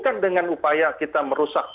kan dengan upaya kita merusak